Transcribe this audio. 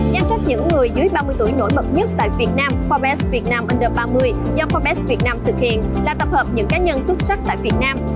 danh sách những người dưới ba mươi tuổi nổi bật nhất tại việt nam forbes việt nam garde do forbes việt nam thực hiện là tập hợp những cá nhân xuất sắc tại việt nam